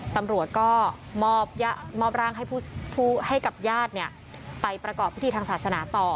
ตำรวจก็มอบร่างให้กับญาติไปประกอบพิธีทางศาสนาต่อ